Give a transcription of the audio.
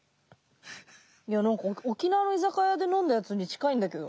いや何か沖縄の居酒屋で飲んだやつに近いんだけど。